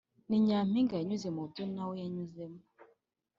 ni nyampinga yanyuze mu byo na we yanyuzemo